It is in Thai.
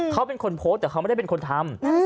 เขาเป็นคนโพสต์แต่เขาไม่ได้เป็นคนทำ